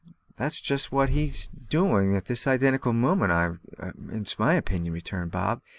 "That's just what he's doing at this identical moment, it's my opinion," returned Bob.